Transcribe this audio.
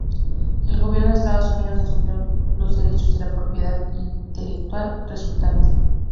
El gobierno de Estados Unidos asumió los derechos de la propiedad intelectual resultante.